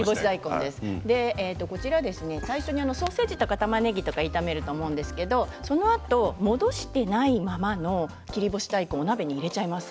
最初にソーセージとかたまねぎを炒めると思うんですがそのあと戻していないままの切り干し大根をお鍋に入れちゃいます。